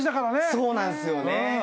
そうなんすよね。